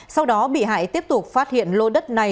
sau đó bị hại tiếp tục phát hiện lô đất trên cho một người khác